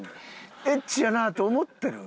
エッチやなと思ってる？